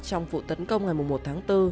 trong vụ tấn công ngày một tháng bốn